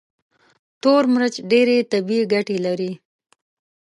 تور مرچ ډېرې طبي ګټې لري.